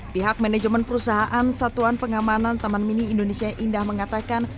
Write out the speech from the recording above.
pihak manajemen perusahaan satuan pengamanan taman mini indonesia indah mengatakan